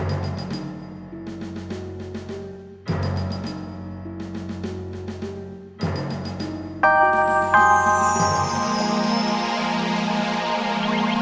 sampai jumpa lagi